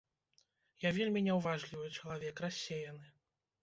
Я вельмі няўважлівы чалавек, рассеяны.